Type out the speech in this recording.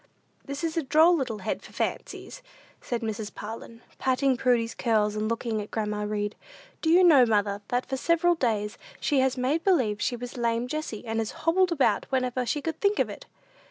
"This is a droll little head for fancies," said Mrs. Parlin, patting Prudy's curls, and looking at grandma Read. "Do you know, mother, that for several days she has made believe she was lame Jessie, and has hobbled about whenever she could think of it."